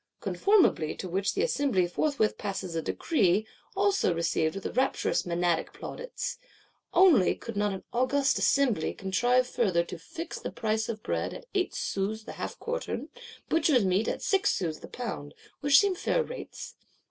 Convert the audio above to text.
Conformably to which the Assembly forthwith passes a Decree; also received with rapturous Menadic plaudits:—Only could not an august Assembly contrive further to 'fix the price of bread at eight sous the half quartern; butchers' meat at six sous the pound;' which seem fair rates?